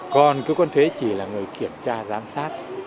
còn cơ quan thuế chỉ là người kiểm tra giám sát